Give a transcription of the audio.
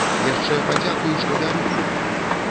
Яшчэ падзякуй, што бяру!